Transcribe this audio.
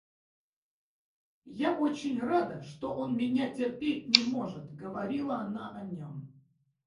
Я очень рада, что он меня терпеть не может, — говорила она о нем.